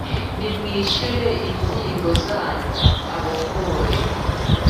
nimwishyure inzigo yanyu abahore